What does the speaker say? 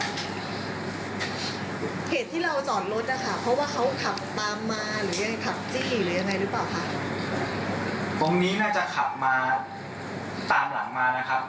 ขับจี้หรือยังไงหรือเปล่าค่ะตรงนี้น่าจะขับมาตามหลังมานะครับ